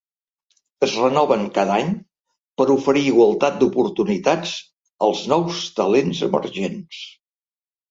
Es renoven cada any per oferir igualtat d’oportunitats als nous talents emergents.